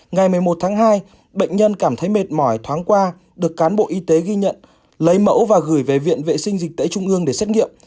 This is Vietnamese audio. ngày một mươi một tháng hai bệnh nhân cảm thấy mệt mỏi thoáng qua được cán bộ y tế ghi nhận lấy mẫu và gửi về viện vệ sinh dịch tễ trung ương để xét nghiệm